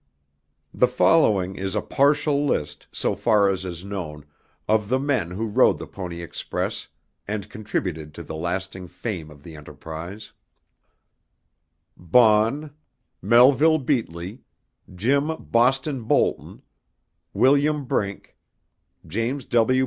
The following is a partial list, so far as is known, of the men who rode the Pony Express and contributed to the lasting fame of the enterprise: Baughn, Melville Beatley, Jim "Boston" Boulton, William Brink, James W.